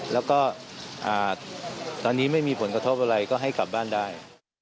แล้วก็ตอนนี้ไม่มีผลกระทบอะไรก็ให้กลับบ้านได้